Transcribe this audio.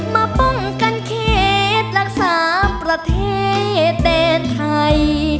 มาป้องกันเคล็ดรักษาประเทศว์แต่ไทย